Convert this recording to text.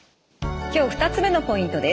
今日２つ目のポイントです。